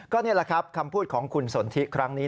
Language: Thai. ก็นี่แหละครับคำพูดของคุณสนทิครั้งนี้